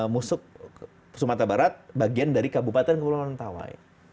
musuk sumatera barat bagian dari kabupaten kepulauan mentawai